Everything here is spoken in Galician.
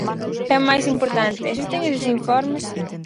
E o máis importante: ¿existen eses informes?